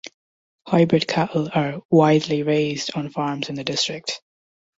Hybrid cattle are widely raised on farms in the district.